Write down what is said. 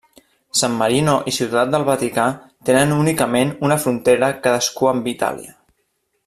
San Marino i Ciutat del Vaticà tenen únicament una frontera cadascú amb Itàlia.